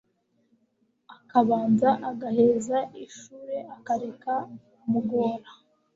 akabanza agaheza ishure akareka kumugora